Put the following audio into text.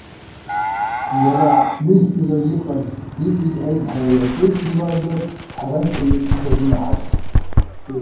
Иара, шәнызқьҩыла иҟаз, иҵегьы аизҳара иаҿыз иуаажәлар цҳаражәҳәаҩыс дырзынаҳашьҭит.